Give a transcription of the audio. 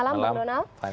selamat malam bang donald